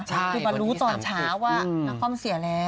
คือมารู้ตอนเช้าว่าลุงคล่อมเสียแล้ว